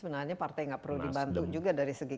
sebenarnya partai nggak perlu dibantu juga dari segi